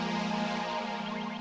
kamu mau jemput ke arab kang dadang